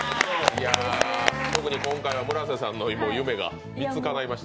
特に今回は村瀬さんの夢が３つかないました。